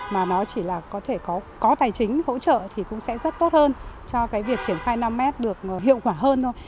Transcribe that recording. mà nó chỉ là có thể có tài chính hỗ trợ thì cũng sẽ rất tốt hơn cho cái việc triển khai năm m được hiệu quả hơn thôi